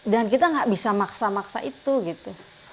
dan kita gak bisa maksa maksa itu